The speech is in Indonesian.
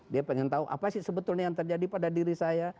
dia pengen tahu apa sih sebetulnya yang terjadi pada diri saya